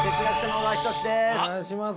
お願いします。